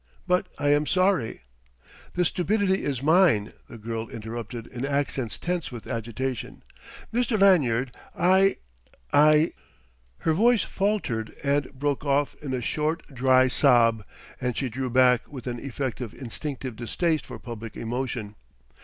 "But I am sorry " "The stupidity is mine," the girl interrupted in accents tense with agitation. "Mr. Lanyard, I I " Her voice faltered and broke off in a short, dry sob, and she drew back with an effect of instinctive distaste for public emotion.